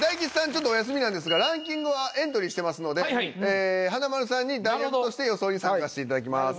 ちょっとお休みなんですがランキングはエントリーしてますので華丸さんに代役として予想に参加していただきます。